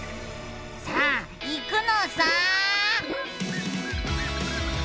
さあいくのさ！